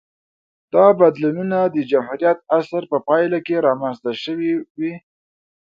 دا بدلونونه د جمهوریت عصر په پایله کې رامنځته شوې وې